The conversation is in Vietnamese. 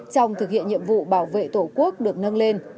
trong thực hiện nhiệm vụ bảo vệ tổ quốc được nâng lên